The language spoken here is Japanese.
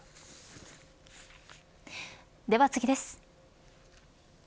では次です。